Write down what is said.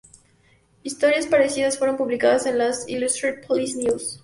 Historias parecidas fueron publicadas en las "Illustrated Police News".